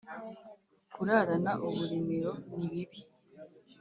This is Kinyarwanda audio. kurarana uburimiro ni bibi